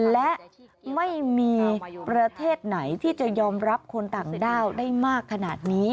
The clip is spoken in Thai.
และไม่มีประเทศไหนที่จะยอมรับคนต่างด้าวได้มากขนาดนี้